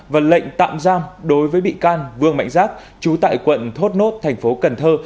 và lệnh tạm giam đối với bị can vương mạnh giác trú tại quận thốt nốt thành phố cần thơ